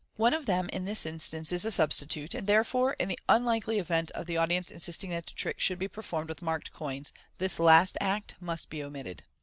One of them, in this instance, is a substitute, and therefore, in the unlikely event of the audience insisting that the trick should be per formed with marked coins, this last act must be omitted.